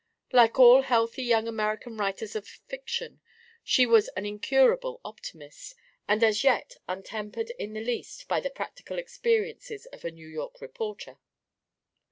Like all healthy young American writers of fiction, she was an incurable optimist, and as yet untempered in the least by the practical experiences of a New York reporter.